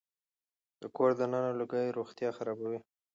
د کور دننه لوګي روغتيا خرابوي.